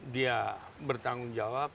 dia bertanggung jawab